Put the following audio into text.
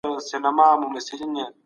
هیوادونه ولي د ماشومانو حقونه پلي کوي؟